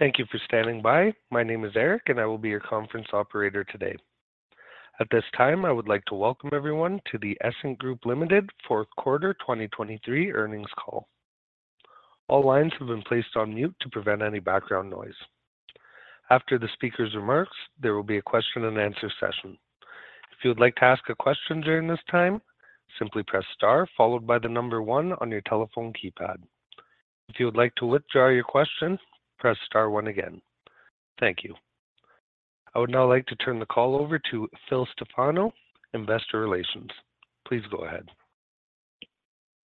Thank you for standing by. My name is Eric, and I will be your conference operator today. At this time, I would like to welcome everyone to the Essent Group Limited Q4 2023 Earnings Call. All lines have been placed on mute to prevent any background noise. After the speaker's remarks, there will be a question-and-answer session. If you would like to ask a question during this time, simply press star followed by the number 1 on your telephone keypad. If you would like to withdraw your question, press star 1 again. Thank you. I would now like to turn the call over to Phil Stefano, Investor Relations. Please go ahead.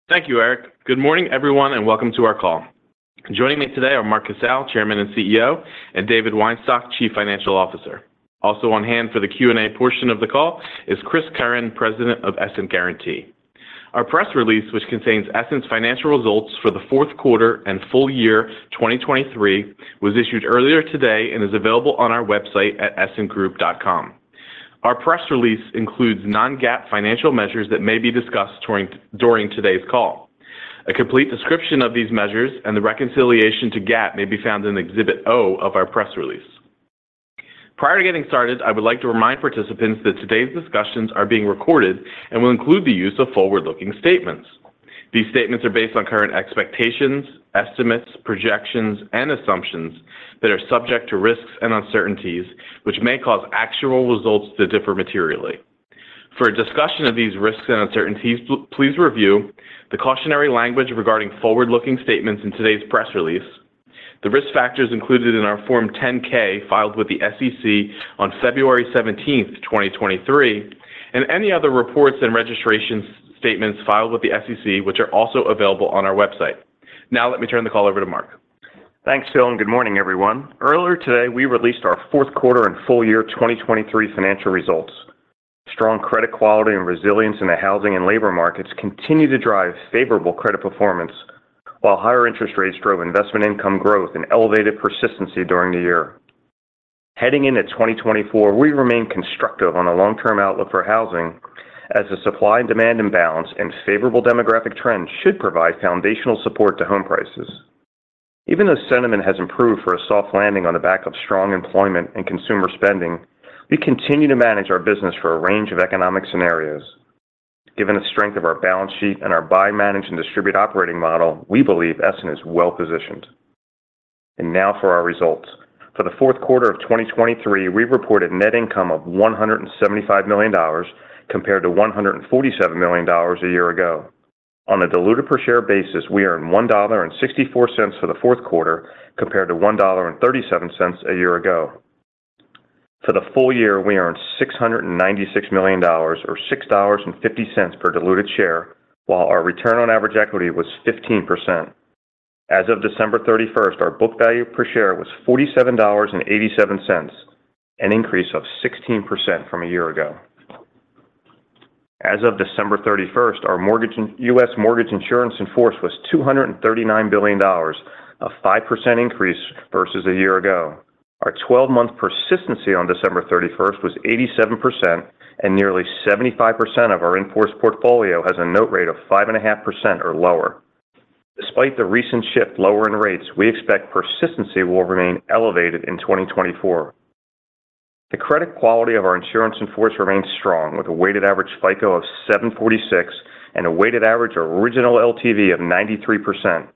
Thank you, Eric. Good morning, everyone, and welcome to our call. Joining me today are Mark Casale, Chairman and CEO, and David Weinstock, Chief Financial Officer. Also on hand for the Q&A portion of the call is Chris Curran, President of Essent Guaranty. Our press release, which contains Essent's financial results for the Q4 and full year 2023, was issued earlier today and is available on our website at essentgroup.com. Our press release includes non-GAAP financial measures that may be discussed during today's call. A complete description of these measures and the reconciliation to GAAP may be found in Exhibit O of our press release. Prior to getting started, I would like to remind participants that today's discussions are being recorded and will include the use of forward-looking statements. These statements are based on current expectations, estimates, projections, and assumptions that are subject to risks and uncertainties, which may cause actual results to differ materially. For a discussion of these risks and uncertainties, please review the cautionary language regarding forward-looking statements in today's press release, the risk factors included in our Form 10-K filed with the SEC on February 17, 2023, and any other reports and registration statements filed with the SEC, which are also available on our website. Now let me turn the call over to Mark. Thanks, Phil, and good morning, everyone. Earlier today, we released our Q4 and full year 2023 financial results. Strong credit quality and resilience in the housing and labor markets continue to drive favorable credit performance, while higher interest rates drove investment income growth and elevated persistency during the year. Heading into 2024, we remain constructive on a long-term outlook for housing, as the supply and demand imbalance and favorable demographic trends should provide foundational support to home prices. Even though sentiment has improved for a soft landing on the back of strong employment and consumer spending, we continue to manage our business for a range of economic scenarios. Given the strength of our balance sheet and our buy, manage, and distribute operating model, we believe Essent is well-positioned. Now for our results. For the Q4 of 2023, we reported net income of $175 million, compared to $147 million a year ago. On a diluted per share basis, we earned $1.64 for the Q4, compared to $1.37 a year ago. For the full year, we earned $696 million, or $6.50 per diluted share, while our return on average equity was 15%. As of December 31, our book value per share was $47.87, an increase of 16% from a year ago. As of December 31, our U.S. mortgage insurance in force was $239 billion, a 5% increase versus a year ago. Our 12-month persistency on December 31 was 87%, and nearly 75% of our in-force portfolio has a note rate of 5.5% or lower. Despite the recent shift lower in rates, we expect persistency will remain elevated in 2024. The credit quality of our insurance in force remains strong, with a weighted average FICO of 746 and a weighted average original LTV of 93%.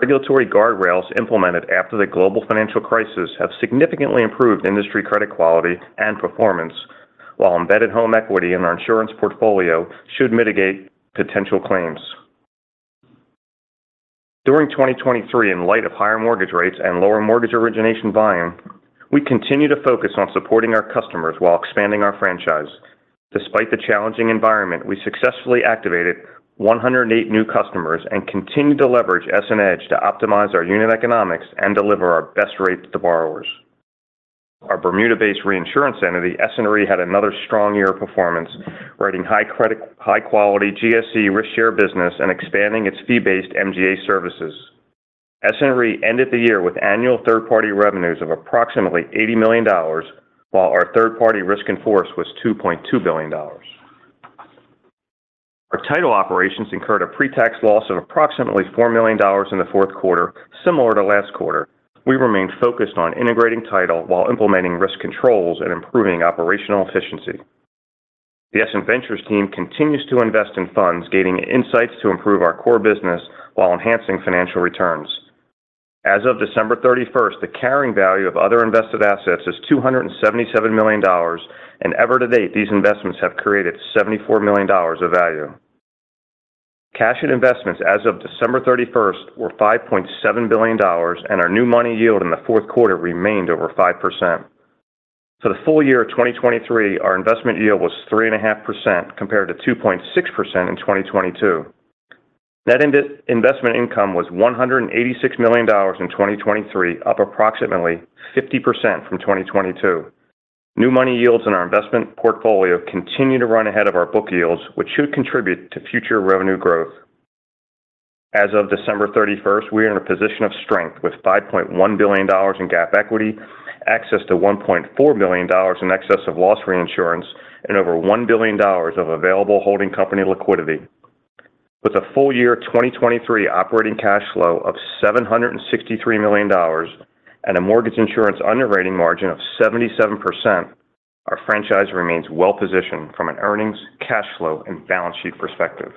Regulatory guardrails implemented after the global financial crisis have significantly improved industry credit quality and performance, while embedded home equity in our insurance portfolio should mitigate potential claims. During 2023, in light of higher mortgage rates and lower mortgage origination volume, we continued to focus on supporting our customers while expanding our franchise. Despite the challenging environment, we successfully activated 108 new customers and continued to leverage EssentEDGE to optimize our unit economics and deliver our best rate to borrowers. Our Bermuda-based reinsurance entity, Essent Re, had another strong year of performance, writing high credit, high-quality GSE risk share business and expanding its fee-based MGA services. Essent Re ended the year with annual third-party revenues of approximately $80 million, while our third-party risk in force was $2.2 billion. Our title operations incurred a pre-tax loss of approximately $4 million in the Q4, similar to last quarter. We remained focused on integrating title while implementing risk controls and improving operational efficiency. The Essent Ventures team continues to invest in funds, gaining insights to improve our core business while enhancing financial returns. As of December 31, the carrying value of other invested assets is $277 million, and year to date, these investments have created $74 million of value. Cash and investments as of December 31 were $5.7 billion, and our new money yield in the Q4 remained over 5%. For the full year of 2023, our investment yield was 3.5%, compared to 2.6% in 2022. Net investment income was $186 million in 2023, up approximately 50% from 2022. New money yields in our investment portfolio continue to run ahead of our book yields, which should contribute to future revenue growth. As of December 31, we are in a position of strength with $5.1 billion in GAAP equity, access to $1.4 billion in excess of loss reinsurance, and over $1 billion of available holding company liquidity. With a full year 2023 operating cash flow of $763 million and a mortgage insurance underwriting margin of 77%, our franchise remains well-positioned from an earnings, cash flow, and balance sheet perspective.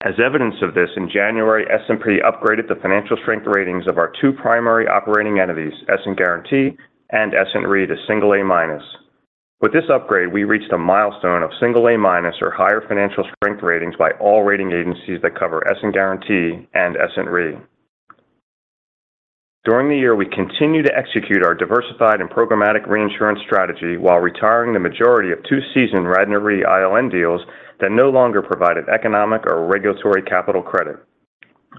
As evidence of this, in January, S&P upgraded the financial strength ratings of our two primary operating entities, Essent Guaranty and Essent Re, to single A minus. With this upgrade, we reached a milestone of single A minus or higher financial strength ratings by all rating agencies that cover Essent Guaranty and Essent Re. During the year, we continued to execute our diversified and programmatic reinsurance strategy while retiring the majority of two seasoned Radnor Re ILN deals that no longer provided economic or regulatory capital credit.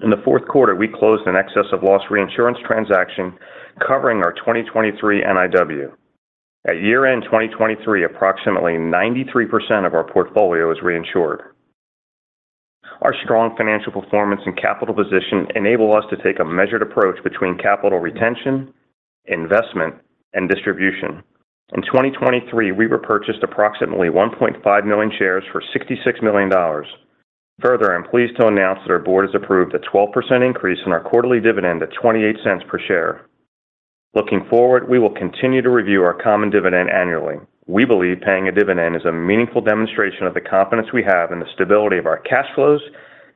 In the Q4, we closed an excess-of-loss reinsurance transaction covering our 2023 NIW. At year-end 2023, approximately 93% of our portfolio is reinsured. Our strong financial performance and capital position enable us to take a measured approach between capital retention, investment, and distribution. In 2023, we repurchased approximately 1.5 million shares for $66 million. Further, I'm pleased to announce that our board has approved a 12% increase in our quarterly dividend to $0.28 per share. Looking forward, we will continue to review our common dividend annually. We believe paying a dividend is a meaningful demonstration of the confidence we have in the stability of our cash flows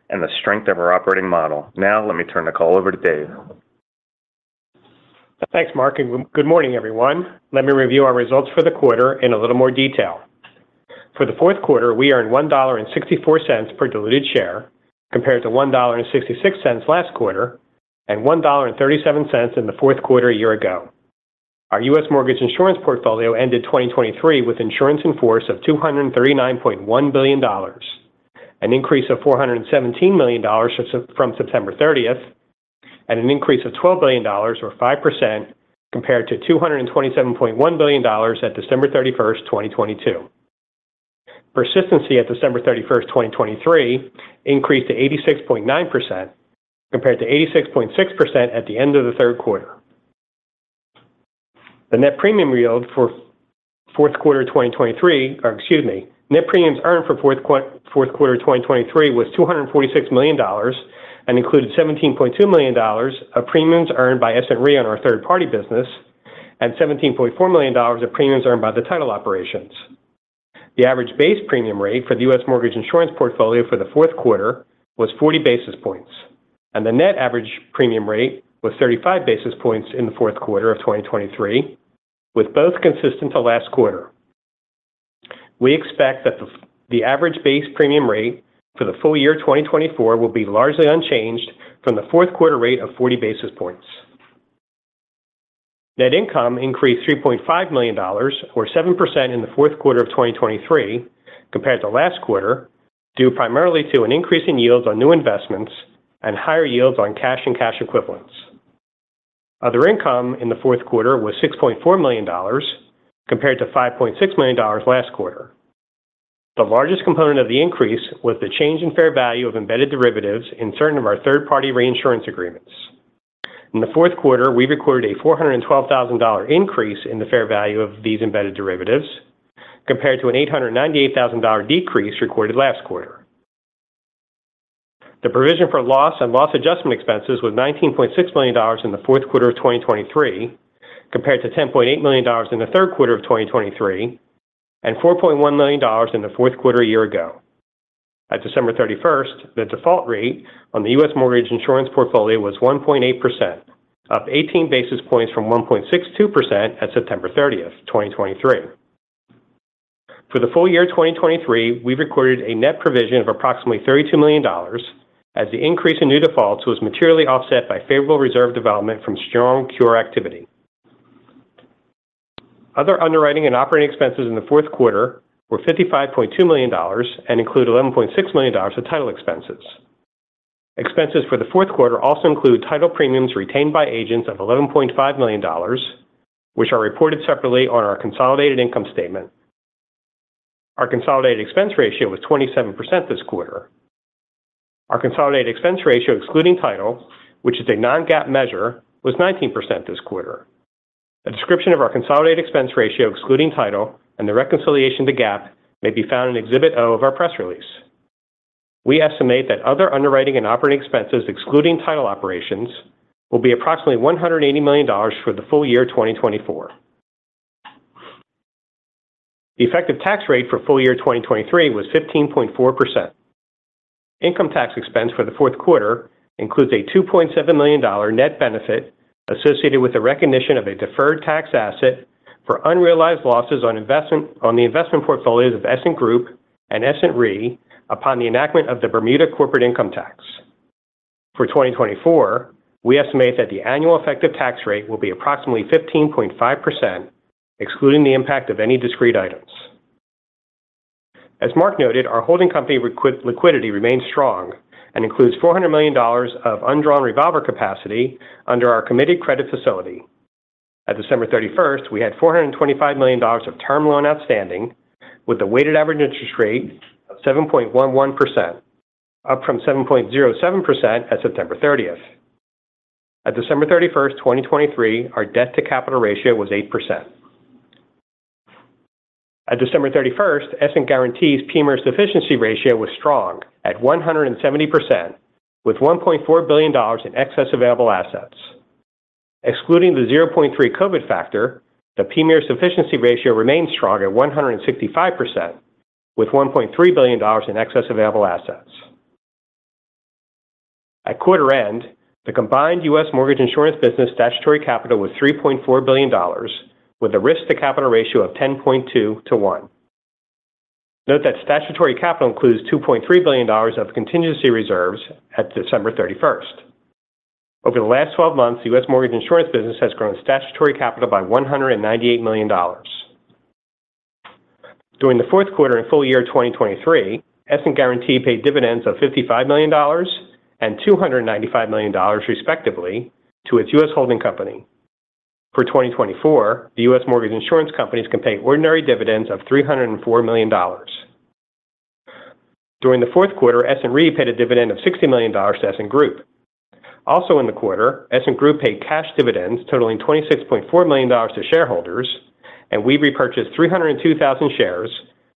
and the strength of our operating model. Now, let me turn the call over to Dave. Thanks, Mark, and good morning, everyone. Let me review our results for the quarter in a little more detail. For the Q4, we earned $1.64 per diluted share, compared to $1.66 last quarter, and $1.37 in the Q4 a year ago. Our US mortgage insurance portfolio ended 2023 with insurance in force of $239.1 billion, an increase of $417 million from September 30, and an increase of $12 billion or 5% compared to $227.1 billion at December 31, 2022. Persistency at December 31, 2023, increased to 86.9%, compared to 86.6% at the end of the Q3. The net premium yield for Q4 2023, or excuse me, net premiums earned for fourth quarter 2023 was $246 million and included $17.2 million of premiums earned by Essent Re on our third-party business and $17.4 million of premiums earned by the title operations. The average base premium rate for the U.S. mortgage insurance portfolio for the Q4 was 40 basis points, and the net average premium rate was 35 basis points in the Q4 of 2023, with both consistent to last quarter. We expect that the average base premium rate for the full year 2024 will be largely unchanged from the Q4 rate of 40 basis points. Net income increased $3.5 million, or 7% in the Q4 of 2023 compared to last quarter, due primarily to an increase in yields on new investments and higher yields on cash and cash equivalents. Other income in the Q4 was $6.4 million, compared to $5.6 million last quarter. The largest component of the increase was the change in fair value of embedded derivatives in certain of our third-party reinsurance agreements. In the Q4, we recorded a $412,000 increase in the fair value of these embedded derivatives, compared to an $898,000 decrease recorded last quarter. The provision for loss and loss adjustment expenses was $19.6 million in the Q4 of 2023, compared to $10.8 million in the Q3 of 2023, and $4.1 million in the Q4 a year ago. At December 31, the default rate on the U.S. mortgage insurance portfolio was 1.8%, up 18 basis points from 1.62% at September 30, 2023. For the full year 2023, we recorded a net provision of approximately $32 million, as the increase in new defaults was materially offset by favorable reserve development from strong cure activity. Other underwriting and operating expenses in the Q4 were $55.2 million and include $11.6 million of title expenses. Expenses for the Q4 also include title premiums retained by agents of $11.5 million, which are reported separately on our consolidated income statement. Our consolidated expense ratio was 27% this quarter. Our consolidated expense ratio, excluding title, which is a non-GAAP measure, was 19% this quarter. A description of our consolidated expense ratio, excluding title, and the reconciliation to GAAP may be found in Exhibit O of our press release. We estimate that other underwriting and operating expenses, excluding title operations, will be approximately $180 million for the full year 2024. The effective tax rate for full year 2023 was 15.4%. Income tax expense for the Q4 includes a $2.7 million net benefit associated with the recognition of a deferred tax asset for unrealized losses on investment, on the investment portfolios of Essent Group and Essent Re upon the enactment of the Bermuda Corporate Income Tax. For 2024, we estimate that the annual effective tax rate will be approximately 15.5%, excluding the impact of any discrete items. As Mark noted, our holding company required liquidity remains strong and includes $400 million of undrawn revolver capacity under our committed credit facility. At December 31, we had $425 million of term loan outstanding, with a weighted average interest rate of 7.11%, up from 7.07% at September 30. At December 31, 2023, our debt to capital ratio was 8%. At December 31st, Essent Guaranty's PMIER Sufficiency ratio was strong at 170%, with $1.4 billion in excess available assets. Excluding the 0.3 COVID factor, the PMIER Sufficiency ratio remains strong at 165%, with $1.3 billion in excess available assets. At quarter end, the combined U.S. mortgage insurance business statutory capital was $3.4 billion, with a risk to capital ratio of 10.2 to 1. Note that statutory capital includes $2.3 billion of contingency reserves at December 31st. Over the last twelve months, the U.S. mortgage insurance business has grown statutory capital by $198 million. During the Q4 and full year 2023, Essent Guaranty paid dividends of $55 million and $295 million, respectively, to its U.S. holding company. For 2024, the U.S. mortgage insurance companies can pay ordinary dividends of $304 million. During the Q4, Essent Re paid a dividend of $60 million to Essent Group. Also in the quarter, Essent Group paid cash dividends totaling $26.4 million to shareholders, and we repurchased 302,000 shares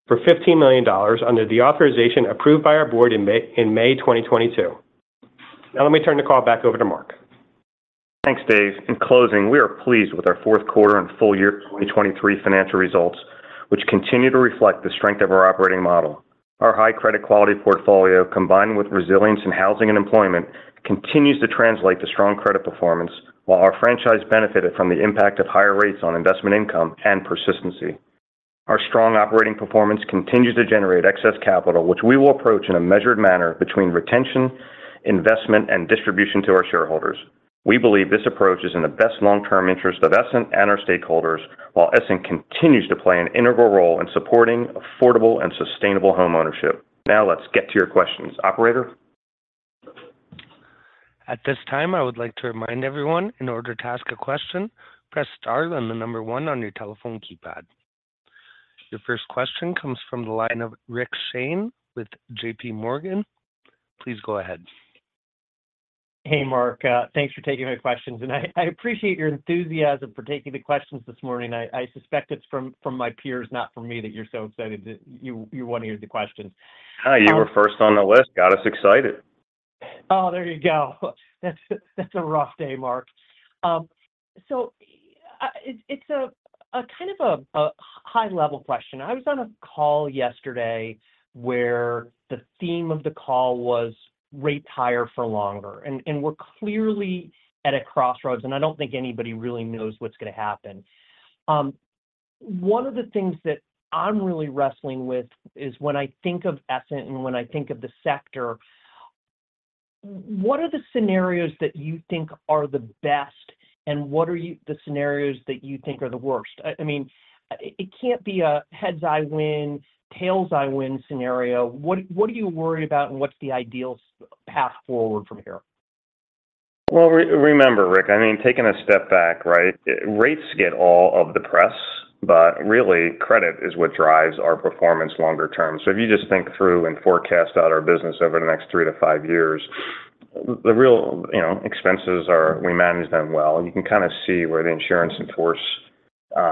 for $15 million under the authorization approved by our board in May, in May 2022. Now, let me turn the call back over to Mark. Thanks, Dave. In closing, we are pleased with our Q4 and full year 2023 financial results, which continue to reflect the strength of our operating model. Our high credit quality portfolio, combined with resilience in housing and employment, continues to translate to strong credit performance, while our franchise benefited from the impact of higher rates on investment income and persistency. Our strong operating performance continues to generate excess capital, which we will approach in a measured manner between retention, investment, and distribution to our shareholders. We believe this approach is in the best long-term interest of Essent and our stakeholders, while Essent continues to play an integral role in supporting affordable and sustainable homeownership. Now, let's get to your questions. Operator? At this time, I would like to remind everyone, in order to ask a question, press star then the number one on your telephone keypad. Your first question comes from the line of Rick Shane with JP Morgan. Please go ahead. Hey, Mark, thanks for taking my questions, and I appreciate your enthusiasm for taking the questions this morning. I suspect it's from my peers, not from me, that you're so excited that you want to hear the questions. Hi, you were first on the list. Got us excited. Oh, there you go. That's a rough day, Mark. So, it's a kind of a high-level question. I was on a call yesterday where the theme of the call was rates higher for longer, and we're clearly at a crossroads, and I don't think anybody really knows what's going to happen. One of the things that I'm really wrestling with is when I think of Essent and when I think of the sector, what are the scenarios that you think are the best, and what are the scenarios that you think are the worst? I mean, it can't be a heads, I win, tails, I win scenario. What are you worried about, and what's the ideal path forward from here? Well, remember, Rick, I mean, taking a step back, right? Rates get all of the press, but really, credit is what drives our performance longer term. So if you just think through and forecast out our business over the next three to five years, the real, you know, expenses are we manage them well. You can kind of see where the insurance in force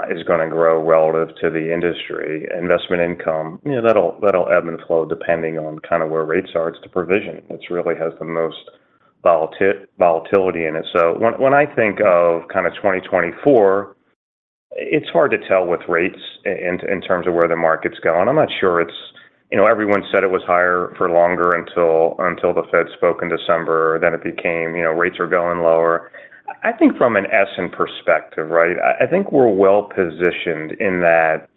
is gonna grow relative to the industry. Investment income, you know, that'll ebb and flow depending on kind of where rates are. It's the provision, which really has the most volatility in it. So when I think of kind of 2024, it's hard to tell with rates in terms of where the market's going. I'm not sure it's... You know, everyone said it was higher for longer until the Fed spoke in December, then it became, you know, rates are going lower. I think from an Essent perspective, right, I think we're well-positioned in that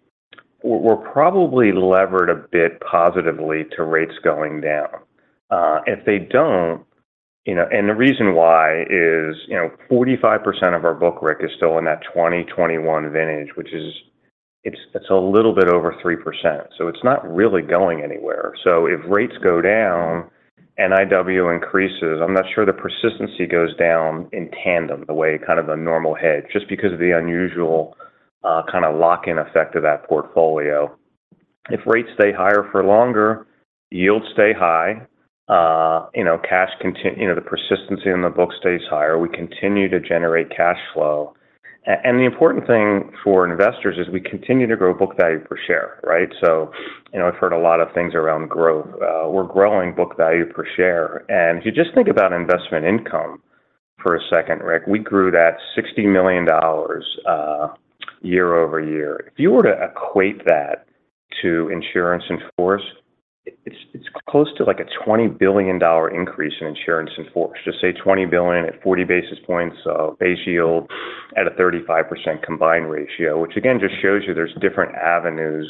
we're probably levered a bit positively to rates going down. If they don't, you know, and the reason why is, you know, 45% of our book, Rick, is still in that 2021 vintage, which is it's a little bit over 3%, so it's not really going anywhere. So if rates go down, NIW increases, I'm not sure the persistency goes down in tandem the way kind of a normal hedge, just because of the unusual kind of lock-in effect of that portfolio. If rates stay higher for longer, yields stay high, you know, cash continues, you know, the persistency in the book stays higher, we continue to generate cash flow. And the important thing for investors is we continue to grow book value per share, right? So, you know, I've heard a lot of things around growth. We're growing book value per share, and if you just think about investment income for a second, Rick, we grew that $60 million year-over-year. If you were to equate that to insurance in force, it's, it's close to, like, a $20 billion increase in insurance in force. Just say $20 billion at 40 basis points, so base yield at a 35% combined ratio, which again, just shows you there's different avenues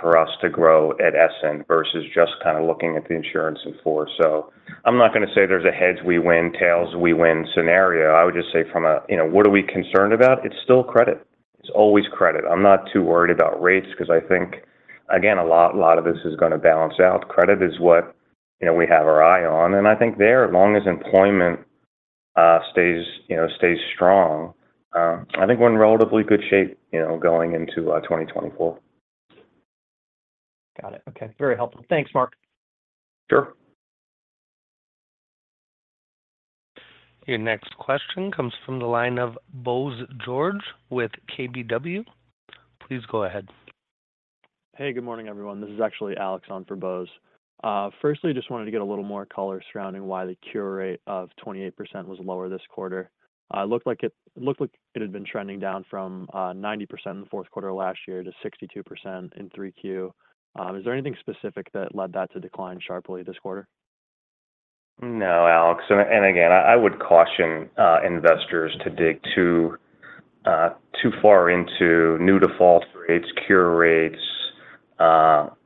for us to grow at Essent versus just kind of looking at the insurance in force. So I'm not gonna say there's a heads, we win, tails, we win scenario. I would just say from a, you know, what are we concerned about? It's still credit. It's always credit. I'm not too worried about rates because I think, again, a lot, lot of this is gonna balance out. Credit is what, you know, we have our eye on, and I think there, as long as employment stays, you know, stays strong, I think we're in relatively good shape, you know, going into 2024. Got it. Okay. Very helpful. Thanks, Mark. Sure.... Your next question comes from the line of Bose George with KBW. Please go ahead. Hey, good morning, everyone. This is actually Alex on for Bose. Firstly, just wanted to get a little more color surrounding why the cure rate of 28% was lower this quarter. It looked like it had been trending down from 90% in the Q4 of last year to 62% in 3Q. Is there anything specific that led that to decline sharply this quarter? No, Alex. And again, I would caution investors to dig too far into new default rates, cure rates,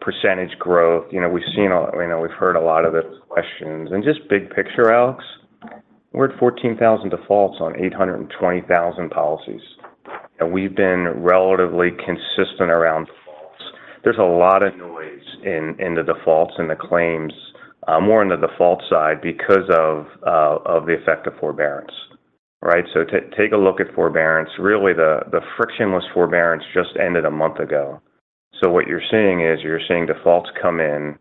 percentage growth. You know, we've seen you know, we've heard a lot of those questions. And just big picture, Alex, we're at 14,000 defaults on 820,000 policies, and we've been relatively consistent around defaults. There's a lot of noise in the defaults and the claims, more on the default side because of the effect of forbearance, right? So take a look at forbearance. Really, the frictionless forbearance just ended a month ago. So what you're seeing is, you're seeing defaults come in.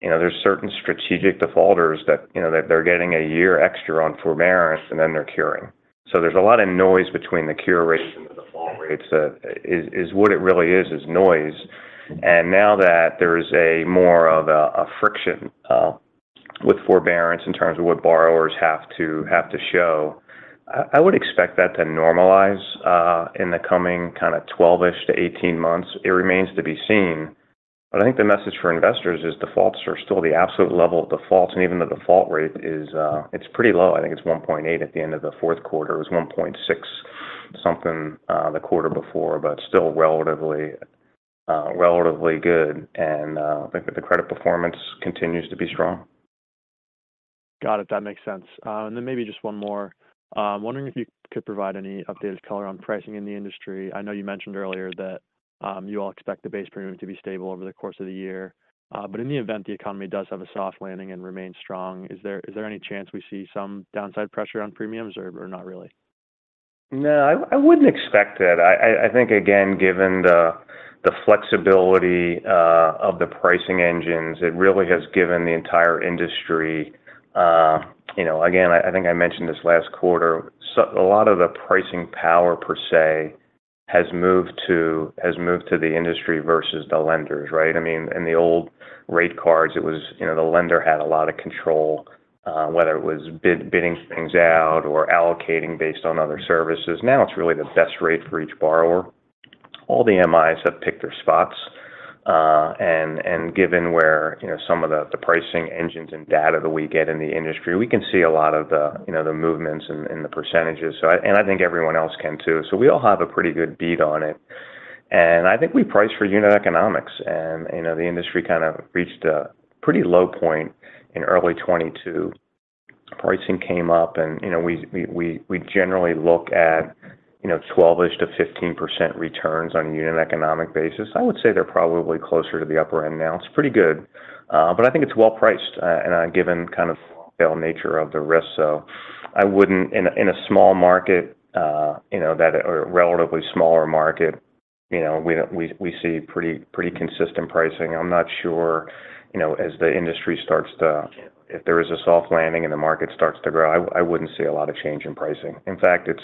You know, there's certain strategic defaulters that, you know, they're getting a year extra on forbearance, and then they're curing. There's a lot of noise between the cure rates and the default rates. What it really is is noise. And now that there is more of a friction with forbearance in terms of what borrowers have to show, I would expect that to normalize in the coming kind of 12-ish to 18 months. It remains to be seen, but I think the message for investors is defaults are still the absolute level of defaults, and even the default rate is, it's pretty low. I think it's 1.8% at the end of the Q4. It was 1.6 something, the quarter before, but still relatively good, and I think that the credit performance continues to be strong. Got it. That makes sense. And then maybe just one more. I'm wondering if you could provide any updated color on pricing in the industry. I know you mentioned earlier that you all expect the base premium to be stable over the course of the year, but in the event the economy does have a soft landing and remains strong, is there any chance we see some downside pressure on premiums or not really? No, I wouldn't expect that. I think, again, given the flexibility of the pricing engines, it really has given the entire industry, you know... Again, I think I mentioned this last quarter, so a lot of the pricing power per se has moved to the industry versus the lenders, right? I mean, in the old rate cards, it was, you know, the lender had a lot of control, whether it was bidding things out or allocating based on other services. Now, it's really the best rate for each borrower. All the MIs have picked their spots, and given where, you know, some of the pricing engines and data that we get in the industry, we can see a lot of the, you know, the movements and the percentages. So I and I think everyone else can too. So we all have a pretty good beat on it, and I think we price for unit economics, and, you know, the industry kind of reached a pretty low point in early 2022. Pricing came up and, you know, we generally look at, you know, 12-ish to 15% returns on a unit economic basis. I would say they're probably closer to the upper end now. It's pretty good, but I think it's well-priced, and given kind of the nature of the risk. So I wouldn't... In a small market, you know, that or relatively smaller market, you know, we don't we see pretty consistent pricing. I'm not sure, you know, as the industry starts to, if there is a soft landing and the market starts to grow, I wouldn't see a lot of change in pricing. In fact, it's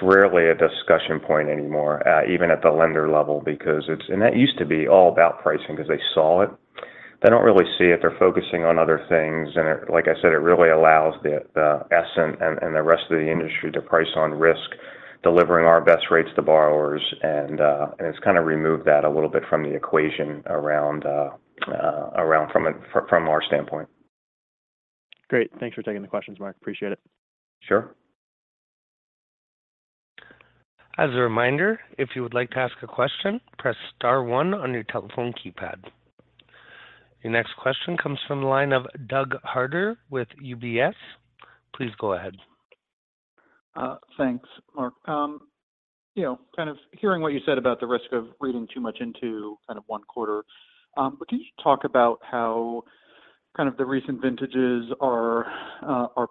rarely a discussion point anymore, even at the lender level, because it's and that used to be all about pricing 'cause they saw it. They don't really see it. They're focusing on other things, and it, like I said, it really allows the Essent and the rest of the industry to price on risk, delivering our best rates to borrowers, and it's kind of removed that a little bit from the equation around from our standpoint. Great. Thanks for taking the questions, Mark. Appreciate it. Sure. As a reminder, if you would like to ask a question, press star one on your telephone keypad. Your next question comes from the line of Doug Harter with UBS. Please go ahead. Thanks, Mark. You know, kind of hearing what you said about the risk of reading too much into kind of one quarter, but can you talk about how kind of the recent vintages are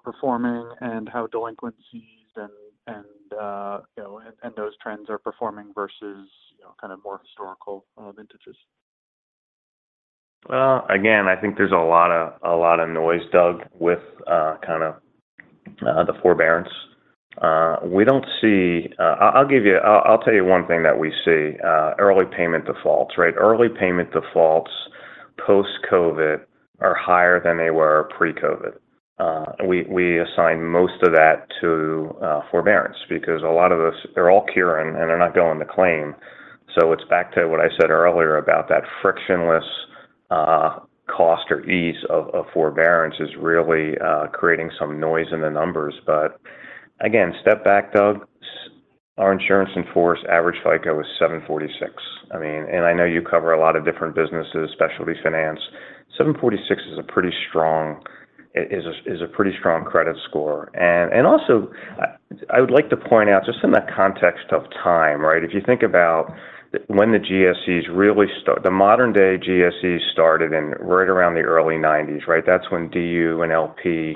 performing and how delinquencies and those trends are performing versus, you know, kind of more historical vintages? Well, again, I think there's a lot of noise, Doug, with kind of the forbearance. We don't see... I'll give you- I'll tell you one thing that we see, early payment defaults, right? Early payment defaults, post-COVID are higher than they were pre-COVID. We assign most of that to forbearance, because a lot of us, they're all curing and they're not going to claim. So it's back to what I said earlier about that frictionless cost or ease of forbearance is really creating some noise in the numbers. But again, step back, Doug. Our insurance in force average FICO is 746. I mean, and I know you cover a lot of different businesses, specialty finance. 746 is a pretty strong credit score. I would like to point out just in the context of time, right? If you think about when the GSEs really start... The modern-day GSE started in right around the early 1990s, right? That's when DU and LP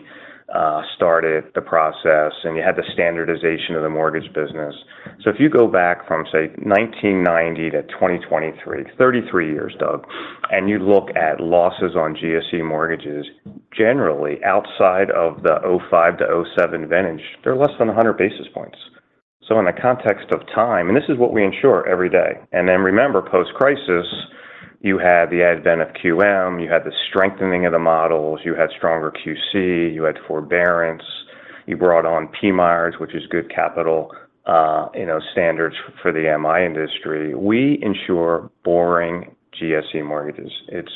started the process, and you had the standardization of the mortgage business. So if you go back from, say, 1990 to 2023, 33 years, Doug, and you look at losses on GSE mortgages, generally, outside of the 2005-2007 vintage, they're less than 100 basis points... So in the context of time, and this is what we insure every day. And then remember, post-crisis, you had the advent of QM, you had the strengthening of the models, you had stronger QC, you had forbearance, you brought on PMIERs, which is good capital, you know, standards for the MI industry. We insure boring GSE mortgages. It's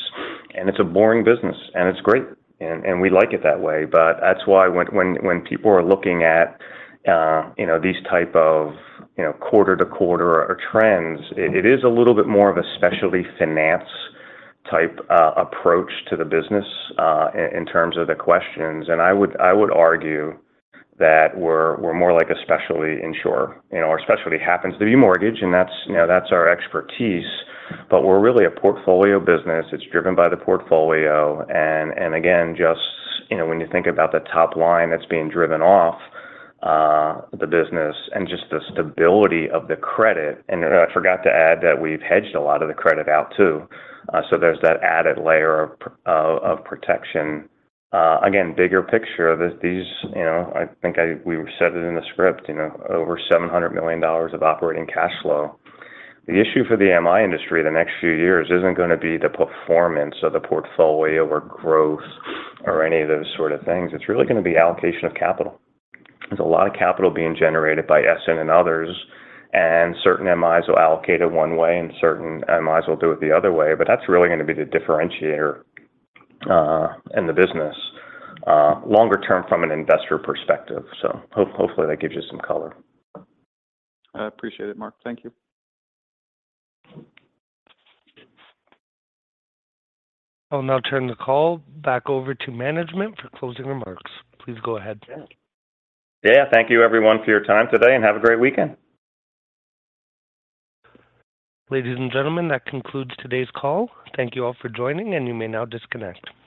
a boring business, and it's great, and we like it that way. But that's why when people are looking at, you know, these type of, you know, quarter-to-quarter or trends, it is a little bit more of a specialty finance type approach to the business in terms of the questions. And I would argue that we're more like a specialty insurer. You know, our specialty happens to be mortgage, and that's, you know, that's our expertise, but we're really a portfolio business. It's driven by the portfolio. And again, just, you know, when you think about the top line that's being driven off the business and just the stability of the credit. And I forgot to add that we've hedged a lot of the credit out, too. So there's that added layer of protection. Again, bigger picture, this, these, you know, I think we said it in the script, you know, over $700 million of operating cash flow. The issue for the MI industry the next few years isn't gonna be the performance of the portfolio or growth or any of those sort of things. It's really gonna be allocation of capital. There's a lot of capital being generated by SN and others, and certain MIs will allocate it one way, and certain MIs will do it the other way, but that's really gonna be the differentiator in the business longer term from an investor perspective. So hopefully, that gives you some color. I appreciate it, Mark. Thank you. I'll now turn the call back over to management for closing remarks. Please go ahead. Yeah, thank you, everyone, for your time today, and have a great weekend. Ladies and gentlemen, that concludes today's call. Thank you all for joining, and you may now disconnect.